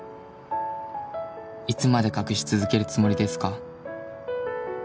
「いつまで隠し続けるつもりですか？」